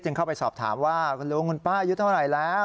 เข้าไปสอบถามว่าคุณลุงคุณป้าอายุเท่าไหร่แล้ว